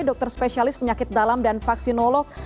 dokter spesialis penyakit dalam dan vaksinolog